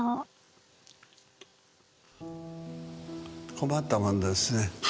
困ったもんですね。